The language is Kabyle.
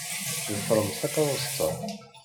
Ḍefṛem takeṛṛust-a.